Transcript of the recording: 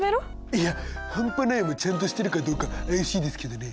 いや「半端ない」もちゃんとしてるかどうか怪しいですけどね。